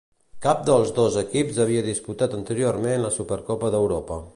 Cap dels dos equips havia disputat anteriorment la Supercopa d'Europa.